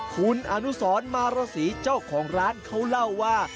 คุณอนุสรมารสีเจ้าของร้านเขาเล่าว่า